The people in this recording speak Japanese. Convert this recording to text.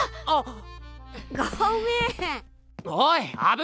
あっ。